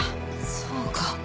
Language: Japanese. そうか。